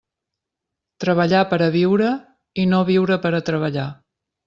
Treballar per a viure i no viure per a treballar.